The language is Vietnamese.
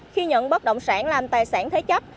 khi nhận bất động sản làm tài sản thế chấp